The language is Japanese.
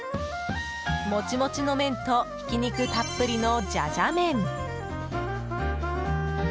モチモチの麺とひき肉たっぷりのジャジャメン。